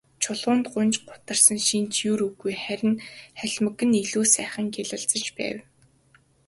Чулуунд гуньж гутарсан шинж ер үгүй, харин халимаг нь илүү сайхан гялалзаж байв.